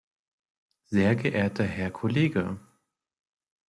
Sehr geehrter Herr Kollege!